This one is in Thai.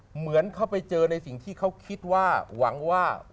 เหมือนเขาไปเจอในสิ่งที่เขาคิดว่าหวังว่า